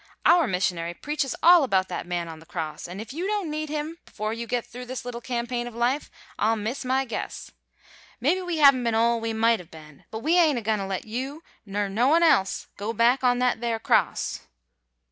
Our missionary preaches all about that Man on the Cross, an' if you don't need Him before you get through this little campaign of life I'll miss my guess. Mebbe we haven't been all we might have been, but we ain't agoin' to let you ner no one else go back on that there Cross!"